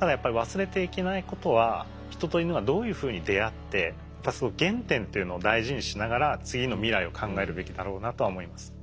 ただやっぱり忘れてはいけないことはヒトとイヌがどういうふうに出会って原点というのを大事にしながら次の未来を考えるべきだろうなとは思います。